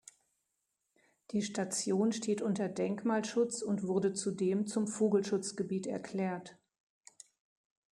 Die Station steht unter Denkmalschutz und wurde zudem zum Vogelschutzgebiet erklärt.